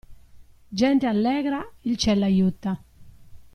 Gente allegra, il ciel l'aiuta.